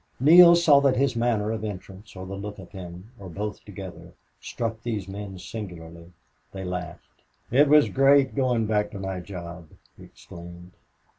Neale saw that his manner of entrance, or the look of him, or both together, struck these men singularly. He laughed. "It was great going back to my job!" he exclaimed.